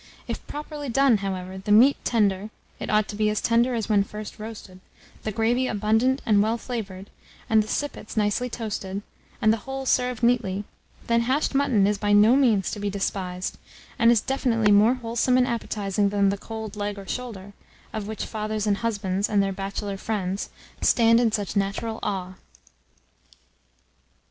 If properly done, however, the meat tender (it ought to be as tender as when first roasted), the gravy abundant and well flavoured, and the sippets nicely toasted, and the whole served neatly; then, hashed mutton is by no means to be despised, and is infinitely more wholesome and appetizing than the cold leg or shoulder, of which fathers and husbands, and their bachelor friends, stand in such natural awe.